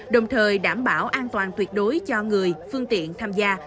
đồng thời đảm bảo an toàn tuyệt đối cho người phương tiện tham gia